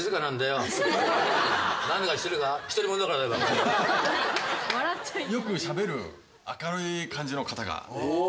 よくしゃべる明るい感じの方が。